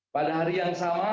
pada hari yang sama